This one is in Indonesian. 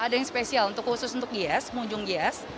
ada yang spesial khusus untuk gias mau ujung gias